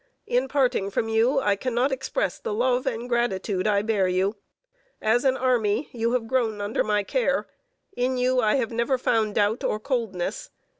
In parting from you, I cannot express the love and gratitude I bear you. As an army, you have grown under my care; in you I have never found doubt or coldness.